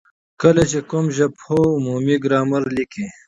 کله چي کوم ژبپوه عمومي ګرامر ليکي،